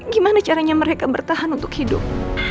gimana caranya mereka bertahan untuk hidup